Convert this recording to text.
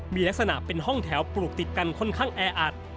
มีลักษณะเป็นห้องแถวปลูกติดกันค่อนข้างแออัด